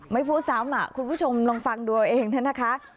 ไม่พูดซ้ำคุณผู้ชมลองฟังดูเอาเองนะคะ